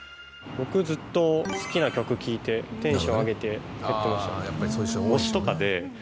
僕ずっと好きな曲聴いてテンション上げてやってました。